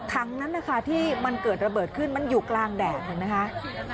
ถังนั้นนะคะที่มันเกิดระเบิดขึ้นมันอยู่กลางแดดเห็นไหมคะ